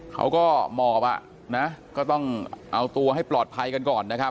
เขาก็หมอบก็ต้องเอาตัวให้ปลอดภัยกันก่อนนะครับ